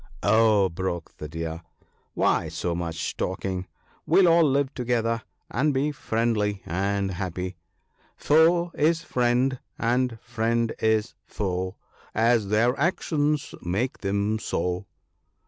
" Oh !" broke in the Deer, " why so much talking ? We'll all live together, and be friendly and happy, —" Foe is friend, and friend is foe, As their actions make them so."